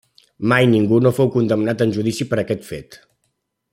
Mai ningú no fou condemnat en judici per aquest fet.